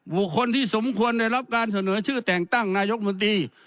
บุคคลที่สมควรได้รับการเสนอชื่อแต่งตั้งนายกมนตรี